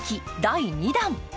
第２弾。